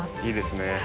いいですね。